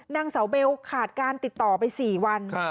นางสาวเบลขาดการติดต่อไป๔วัน